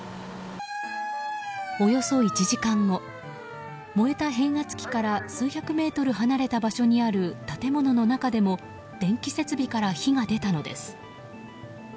およそ１時間後燃えた変圧器から数百メートル離れた場所にある建物の中でも電気設備から火が出たのです。